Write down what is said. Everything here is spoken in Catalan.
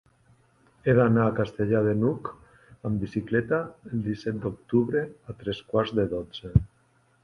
He d'anar a Castellar de n'Hug amb bicicleta el disset d'octubre a tres quarts de dotze.